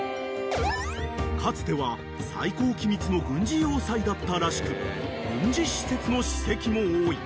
［かつては最高機密の軍事要塞だったらしく軍事施設の史跡も多い］